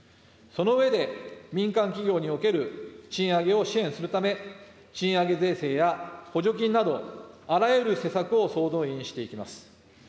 その上で、民間企業における賃上げを支援するため、賃上げ税制や補助金など、あらゆる施策を総動員していきます。